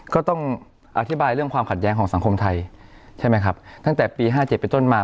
ก็ต้องอธิบายเรื่องความขัดแย้งของสังคมไทยใช่ไหมครับตั้งแต่ปี๕๗เป็นต้นมา